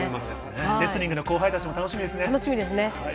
レスリングの後輩たちも楽しみですね。